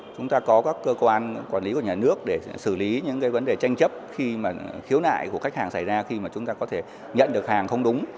chúng ta có các cơ quan quản lý của nhà nước để xử lý những cái vấn đề tranh chấp khi mà khiếu nại của khách hàng xảy ra khi mà chúng ta có thể nhận được hàng không đúng